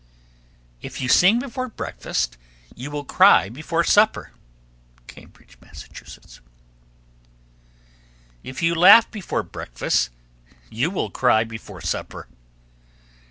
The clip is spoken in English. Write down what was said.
_ 1316. If you sing before breakfast, you will cry before supper. Cambridge, Mass. 1317. If you laugh before breakfast, you will cry before supper.